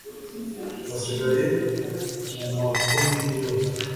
basigaye mu makomini yose